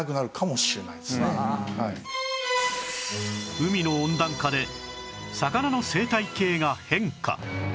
海の温暖化で魚の生態系が変化